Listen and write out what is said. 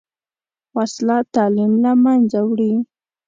وسله تعلیم له منځه وړي